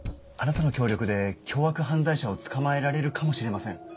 あなたの協力で凶悪犯罪者を捕まえられるかもしれません。